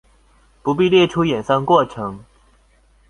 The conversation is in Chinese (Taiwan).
不必列出演算過程